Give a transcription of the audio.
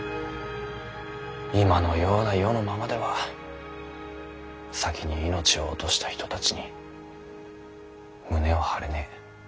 今のような世のままでは先に命を落とした人たちに胸を張れねぇ。